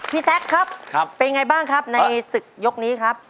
แซคครับเป็นไงบ้างครับในศึกยกนี้ครับ